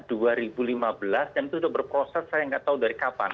dan itu sudah berproses saya nggak tahu dari kapan